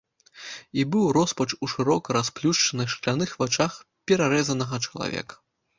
І быў роспач у шырока расплюшчаных, шкляных вачах перарэзанага чалавека.